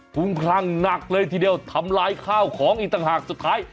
คุ้มคลั่งหนักเลยทีเดียวทำลายข้าวของอีกต่างหากสุดท้าย